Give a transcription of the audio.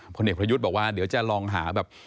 ผลเอกประยุทธ์บอกว่าเดี๋ยวจะลองหาแบบ